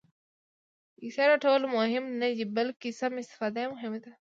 پېسې راټولول مهم نه دي، بلکې سمه استفاده یې مهمه ده.